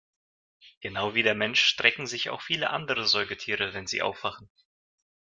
Genau wie der Mensch strecken sich auch viele andere Säugetiere, wenn sie aufwachen.